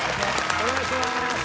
お願いします。